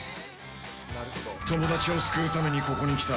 友達を救うためにここに来た。